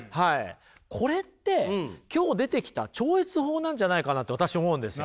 これって今日出てきた超越法なんじゃないかなと私思うんですよ。